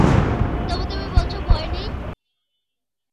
তবু তুমি বলছ ভয় নেই?